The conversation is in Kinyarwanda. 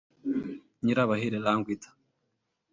Nyirabahire Languida